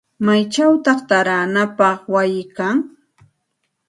¿Maychawta taaranapaq wayi kan?